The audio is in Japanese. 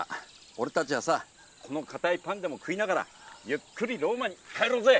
俺たちはさこのかたいパンでも食いながらゆっくりローマに帰ろうぜ。